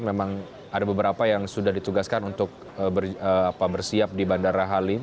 memang ada beberapa yang sudah ditugaskan untuk bersiap di bandara halim